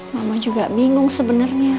mama juga bingung sebenernya